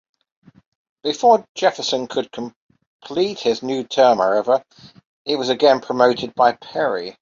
Before Jefferson could complete his new term, however, he was again promoted by Perry.